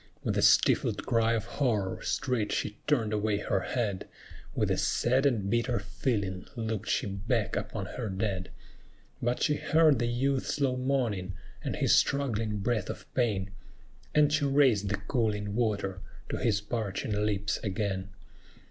With a stifled cry of horror straight she turned away her head; With a sad and bitter feeling looked she back upon her dead; But she heard the youth's low moaning, and his struggling breath of pain, And she raised the cooling water to his parching lips again.